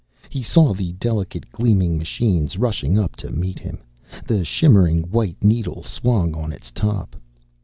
He saw the delicate, gleaming machine rushing up to meet him, the shimmering white needle swung on its top.